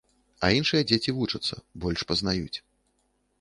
А іншыя дзеці вучацца, больш пазнаюць.